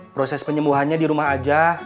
proses penyembuhannya di rumah aja